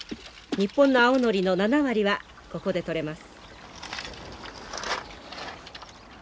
日本の青ノリの７割はここで採れます。